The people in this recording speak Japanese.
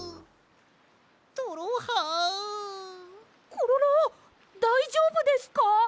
コロロだいじょうぶですか？